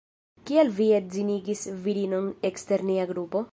Kial vi edzinigis virinon ekster nia grupo?